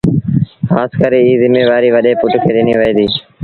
کآس ڪري ايٚ زميوآريٚ وڏي پُٽ کي ڏنيٚ وهي ديٚ